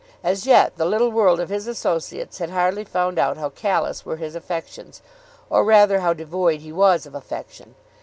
As yet the little world of his associates had hardly found out how callous were his affections, or rather how devoid he was of affection.